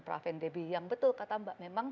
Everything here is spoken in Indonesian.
praven deby yang betul kata mbak memang